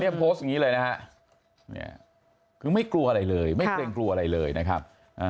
โพสต์อย่างนี้เลยนะฮะคือไม่กลัวอะไรเลยไม่เกรงกลัวอะไรเลยนะครับ